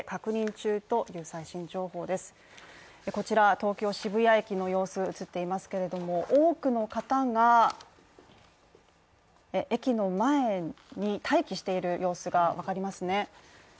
東京・渋谷駅の様子、映っていますけども多くの方が駅の前に待機している様子が分かりますね。